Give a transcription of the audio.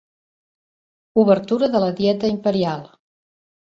Obertura de la dieta imperial.